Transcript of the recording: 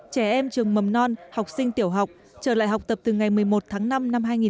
trẻ em trường mầm non học sinh tiểu học trở lại học tập từ ngày một mươi một tháng năm năm hai nghìn hai mươi